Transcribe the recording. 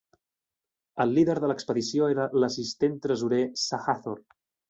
El líder de l'expedició era l'"assistent tresorer" Sahathor.